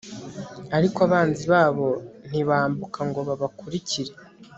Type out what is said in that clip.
ariko abanzi babo ntibambuka ngo babakurikire